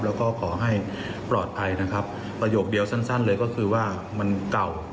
แล้วก็ขอให้ปลอดภัยนะครับประโยคเดียวสั้นเลยก็คือว่ามันเก่า